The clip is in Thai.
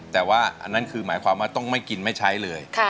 แต่ว่าอันนั้นคือหมายความว่าต้องไม่กินไม่ใช้เลย